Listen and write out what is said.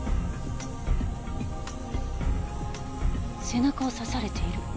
背中を刺されている。